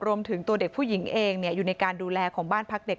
รวมถึงตัวเด็กผู้หญิงเองอยู่ในการดูแลของบ้านพักเด็ก